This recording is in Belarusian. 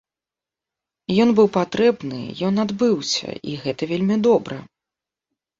Ён быў патрэбны, ён адбыўся, і гэта вельмі добра.